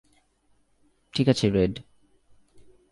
ঠিক আছে, রেড।